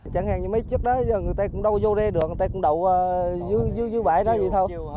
chẳng hạn như mấy chức đó giờ người ta cũng đâu vô rê được người ta cũng đậu dư bãi đó vậy thôi